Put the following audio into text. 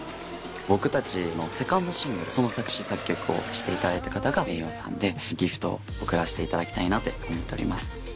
僕たちのセカンドシングルその作詞作曲をしていただいた方がｍｅｉｙｏさんでギフトを贈らせていただきたいなって思っております。